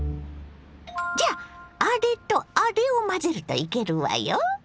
じゃああれとあれを混ぜるといけるわよ！